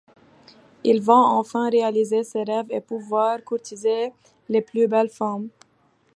Il va enfin réaliser ses rêves et pouvoir courtiser les plus belles femmes.